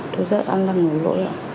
tôi rất an năng ngồi lỗi